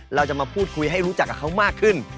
เราจะมาพูดคุยให้รู้จักกับเขามากขึ้น